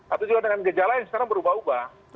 atau juga dengan gejala yang sekarang berubah ubah